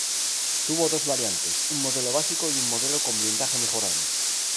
Tuvo dos variantes; un modelo básico y un modelo con blindaje mejorado.